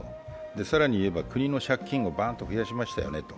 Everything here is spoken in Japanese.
更にいえば日本の借金をバーンと増やしましたよねと。